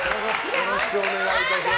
よろしくお願いします。